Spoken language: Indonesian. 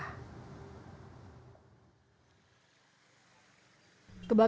kepala kepala kepala